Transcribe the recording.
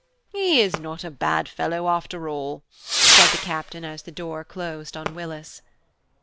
"He is not a bad fellow after all," said the Captain as the door closed on Willis.